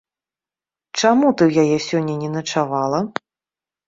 Чаму ты ў яе сёння не начавала?